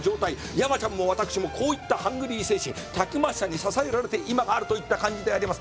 山ちゃんも私もこういったハングリー精神たくましさに支えられて今があるといった感じであります。